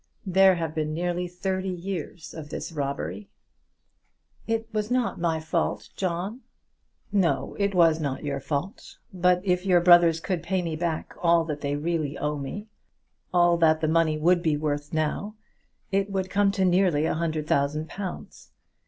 There have been nearly thirty years of this robbery!" "It was not my fault, John." "No; it was not your fault. But if your brothers could pay me back all that they really owe me, all that the money would now be worth, it would come to nearly a hundred thousand pounds.